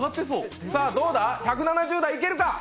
さあどうだ、１７０台いけるか？